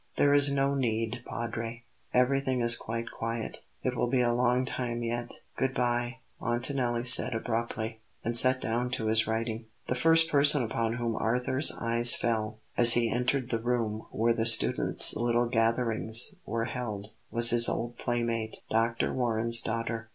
"There is no need, Padre; everything is quite quiet. It will be a long time yet." "Good bye," Montanelli said abruptly, and sat down to his writing. The first person upon whom Arthur's eyes fell, as he entered the room where the students' little gatherings were held, was his old playmate, Dr. Warren's daughter.